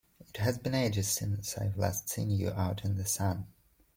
It has been ages since I've last seen you out in the sun!